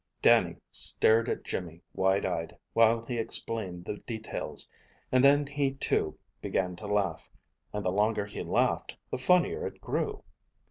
Dannie stared at Jimmy wide eyed, while he explained the details, and then he too began to laugh, and the longer he laughed the funnier it grew.